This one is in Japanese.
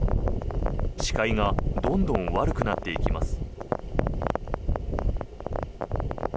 視界がどんどん悪くなっていきます。